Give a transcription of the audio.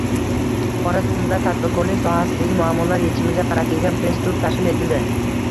Xorazmda tadbirkorlik sohasidagi muammolar yechimiga qaratilgan press-tur tashkil etildi